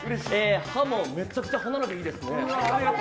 歯もめちゃくちゃ歯並びがいいですね。